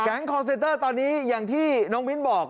คอร์เซนเตอร์ตอนนี้อย่างที่น้องมิ้นบอก